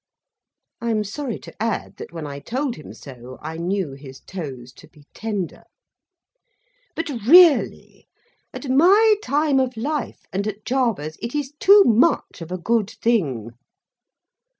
(I am sorry to add that when I told him so, I knew his toes to be tender.) But, really, at my time of life and at Jarber's, it is too much of a good thing.